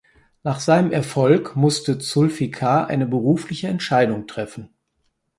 Nach seinem Erfolg musste Zulfikar eine berufliche Entscheidung treffen.